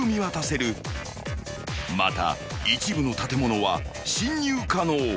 ［また一部の建物は進入可能］